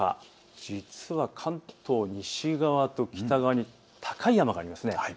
実は関東西側と北側に高い山があります。